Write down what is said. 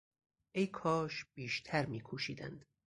ای کاش بیشتر میکوشیدند!